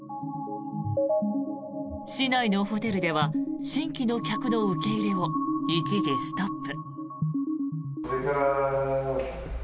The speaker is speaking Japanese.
市内のホテルでは新規の客の受け入れを一時ストップ。